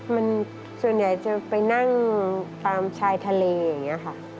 มันส่วนใหญ่จะไปนั่งตามชายทะเลอย่างนี้ค่ะ